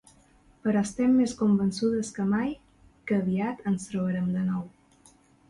Però estem més convençudes que mai, que aviat ens trobarem de nou.